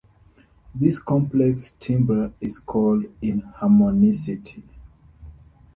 This complex timbre is called inharmonicity.